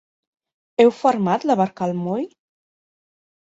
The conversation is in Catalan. Heu fermat la barca al moll?